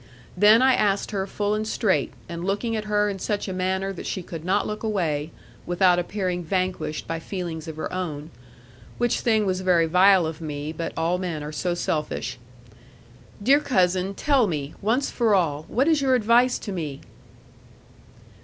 Then I asked her full and straight, and looking at her in such a manner that she could not look away, without appearing vanquished by feelings of her own which thing was very vile of me; but all men are so selfish, 'Dear cousin, tell me, once for all, what is your advice to me?'